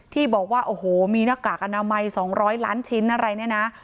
ที่บอกว่าโอ้โหมีหน้ากากอนามัย๒๐๐ล้านชิ้นอะไรเนี่ยนะ